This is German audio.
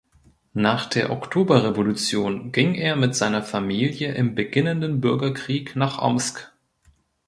Nach der Oktoberrevolution ging er mit seiner Familie im beginnenden Bürgerkrieg nach Omsk.